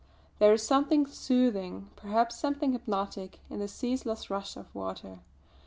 There is something soothing, perhaps something hypnotic, in the ceaseless rush of water.